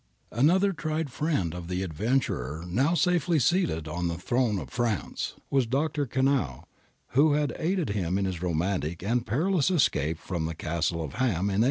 ^ An other tried friend of the adventurer now safely seated on the throne of France, was Dr. Conneau, who had aided him in his romantic and perilous escape from the castle of Ham in 1846.